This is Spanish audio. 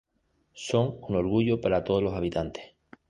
Son un orgullo para todos los habitantes.